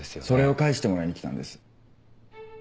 それを返してもらいに来たんです。